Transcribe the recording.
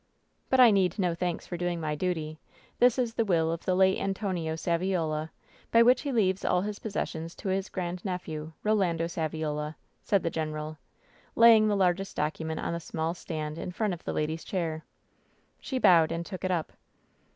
"But I need no thanks for doing my duty ! This is the will of the late Antonio Saviola, by which he leaves all his possessions to his grandnephew, Rolando Savi ola," said the general, laying the largest document on the small stand in front of the lady's chair. She bowed, and took it up.